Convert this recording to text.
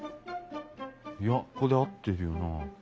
いやここで合ってるよな。